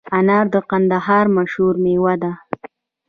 انار د کندهار مشهوره میوه ده